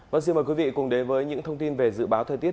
vâng xin mời quý vị cùng đến với những thông tin về dự báo thời tiết